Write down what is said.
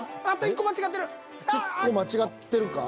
あっと１個間違ってる。